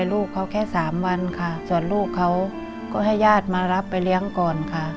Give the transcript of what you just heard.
ลูกเขาแค่สามวันค่ะส่วนลูกเขาก็ให้ญาติมารับไปเลี้ยงก่อนค่ะ